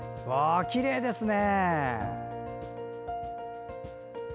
きれいですね！